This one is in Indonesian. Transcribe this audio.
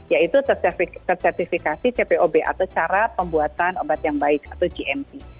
yaitu tersertifikasi cpob atau cara pembuatan obat yang baik atau gmt